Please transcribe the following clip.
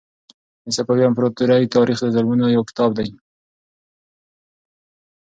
د صفوي امپراطورۍ تاریخ د ظلمونو یو کتاب دی.